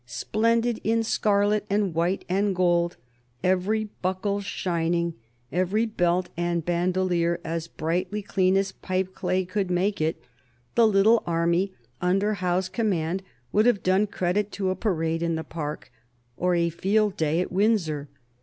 Splendid in scarlet and white and gold, every buckle shining, every belt and bandolier as brightly clean as pipeclay could make it, the little army under Howe's command would have done credit to a parade in the Park or a field day at Windsor.